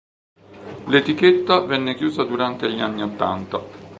L'etichetta venne chiusa durante gli anni ottanta.